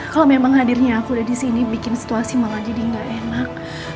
kalau memang hadirnya aku udah di sini bikin situasi malah jadi nggak enak